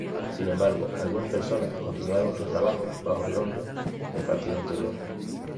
Sin embargo, algunas personas continuaron su trabajo bajo el nombre del partido anterior.